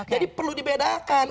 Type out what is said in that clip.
jadi perlu dibedakan